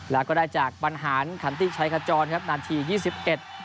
แล้วก็ได้จากบรรหารขันติชัยขจรครับนาทียี่สิบเอ็ด